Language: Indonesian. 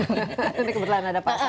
ini kebetulan ada pak santo